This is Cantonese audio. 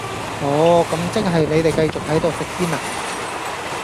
哦,咁即係你哋繼續喺度食煙呀?